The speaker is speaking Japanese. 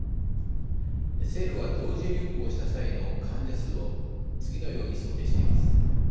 政府は同時流行した際の患者数を次のように想定しています。